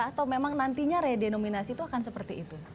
atau memang nantinya redenominasi itu akan seperti itu